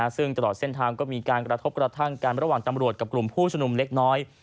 ซึ่งตลอดเส้นทางก็มีการกระทบกระทั่งกันระหว่างตำรวจกับกลุ่มผู้ชมนุมเล็กน้อย